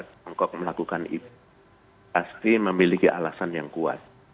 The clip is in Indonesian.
tiongkok melakukan itu pasti memiliki alasan yang kuat